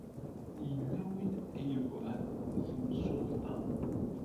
Yella win ay yeɣran i temsulta.